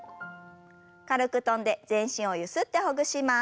軽く跳んで全身をゆすってほぐします。